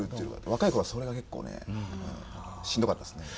若い頃はそれが結構ねしんどかったですね。